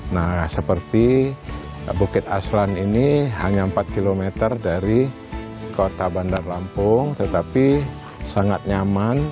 nah seperti bukit aslan ini hanya empat km dari kota bandar lampung tetapi sangat nyaman